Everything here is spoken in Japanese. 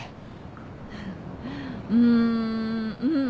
うんうん。